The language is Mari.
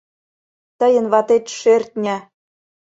— Тыйын ватет шӧртньӧ.